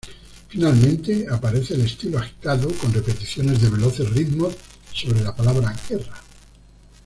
Finalmente, aparece el estilo agitado, con repeticiones de veloces ritmos sobre la palabra guerra..